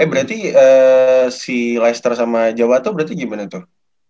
eh berarti si leister sama jawato berarti gimana tuh